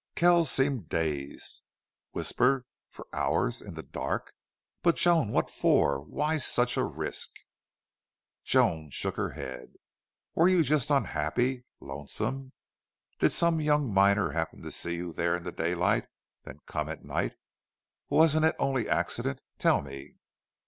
Kells seemed dazed. "Whisper! For hours! In the dark!... But, Joan, what for? Why such a risk?" Joan shook her head. "Were you just unhappy lonesome? Did some young miner happen to see you there in daylight then come at night? Wasn't it only accident? Tell me."